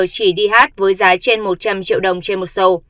chỉ đi hát với giá trên một trăm linh triệu đồng trên một sầu